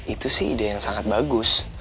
itu sih ide yang sangat bagus